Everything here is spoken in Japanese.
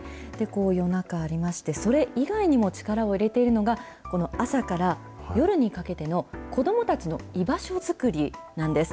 夜中ありまして、それ以外にも力を入れているのが、この朝から夜にかけての子どもたちの居場所作りなんです。